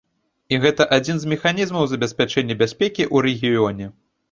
І гэта адзін з механізмаў забеспячэння бяспекі ў рэгіёне.